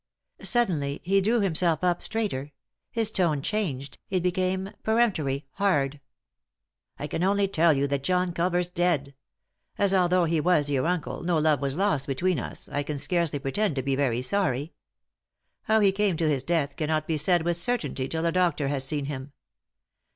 Suddenly he drew himself up straighter; his tone changed, it became peremptory, hard. " I can only tell you that John Culver's dead. As, although he was your uncle, no love was lost between us, I can scarcely pretend to be very sorry. How he came to bis death cannot be said with certainty till a doctor has seen him.